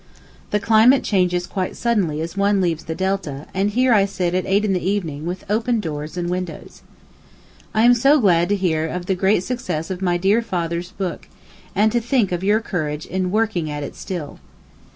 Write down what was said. The climate changes quite suddenly as one leaves the Delta, and here I sit at eight in the evening with open doors and windows. I am so glad to hear of the great success of my dear Father's book, and to think of your courage in working at it still.